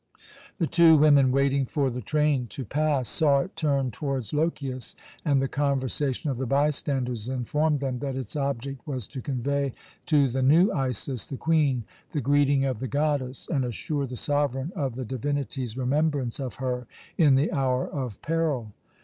The two women waiting for the train to pass saw it turn towards Lochias, and the conversation of the bystanders informed them that its object was to convey to "the new Isis," the Queen, the greeting of the goddess, and assure the sovereign of the divinity's remembrance of her in the hour of peril.